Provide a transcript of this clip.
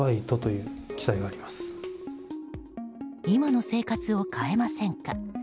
今の生活を変えませんか？